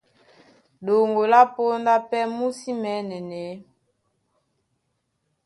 Ɗoŋgo lá póndá pɛ́ mú sí mɛ̌nɛnɛ.